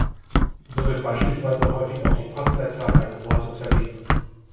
So wird beispielsweise häufig auf die "Postleitzahl" eines Ortes verwiesen.